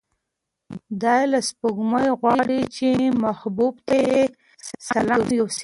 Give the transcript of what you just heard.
دی له سپوږمۍ غواړي چې محبوب ته یې سلام یوسي.